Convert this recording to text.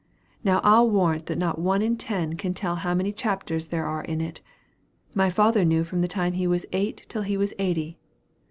Now I'll warrant that not one in ten can tell how many chapters there are in it. My father knew from the time he was eight till he was eighty.